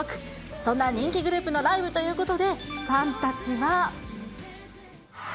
そんな人気グループのライブということで、ファンたちは。